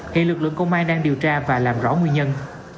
hiện lực lượng công an đang điều tra và làm rõ nguyên nhân